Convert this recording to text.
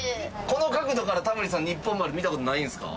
この角度からタモリさん日本丸見た事ないんですか？